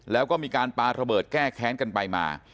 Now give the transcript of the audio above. แล้วก็มีการปาระเบิดแก้แค้นกันไปมา